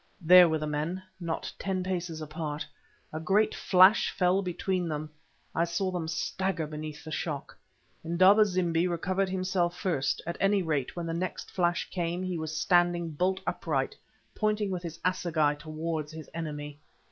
There were the men, not ten paces apart. A great flash fell between them, I saw them stagger beneath the shock. Indaba zimbi recovered himself first—at any rate when the next flash came he was standing bolt upright, pointing with his assegai towards his enemy.